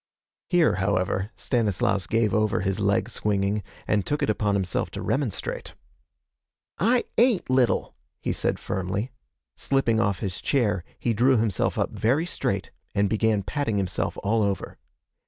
Here, however, Stanislaus gave over his leg swinging and took it upon himself to remonstrate. 'I ain't little,' he said firmly. Slipping off his chair, he drew himself up very straight, and began patting himself all over.